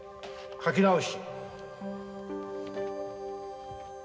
描き直し。